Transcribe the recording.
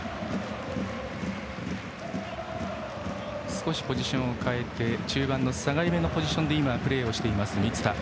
少しポジションを変えて中盤の下がりめのポジションでプレーをしている満田。